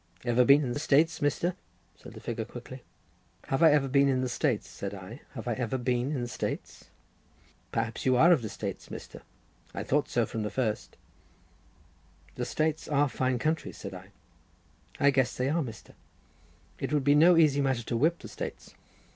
"Ever been in the States, Mr.?" said the figure quickly. "Have I ever been in the States," said I, "have I ever been in the States?" "Perhaps you are of the States, Mr.; I thought so from the first." "The States are fine countries," said I. "I guess they are, Mr." "It would be no easy matter to whip the States."